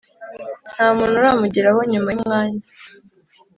ntamuntu uramugeraho nyuma yumwanya